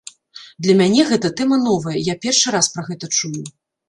Для мяне гэта тэма новая, я першы раз пра гэта чую.